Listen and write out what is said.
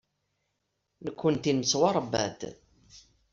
Nekkenti nettwaṛebba-d.